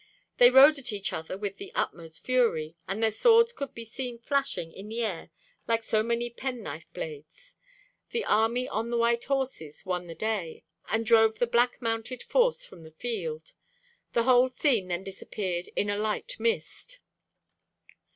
They rode at each other with the utmost fury, and their swords could be seen flashing in the air like so many penknife blades. The army on the white horses won the day, and drove the black mounted force from the field. The whole scene then disappeared in a light mist.